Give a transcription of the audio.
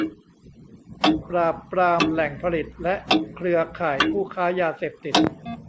ปราบปรามแหล่งผลิตและเครือข่ายผู้ค้ายาเสพติด